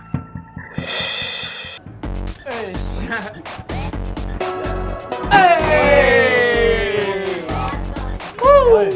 lu punya mata gak di sini ada garis